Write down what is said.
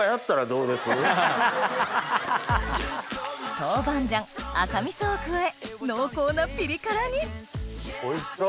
豆板醤赤みそを加え濃厚なピリ辛においしそう！